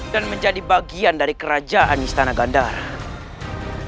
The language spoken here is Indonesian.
dan menjadi bagian dari kerajaan istana gandara